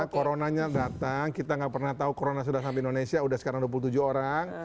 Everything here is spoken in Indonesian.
coronanya datang kita nggak pernah tahu corona sudah sampai indonesia sudah sekarang dua puluh tujuh orang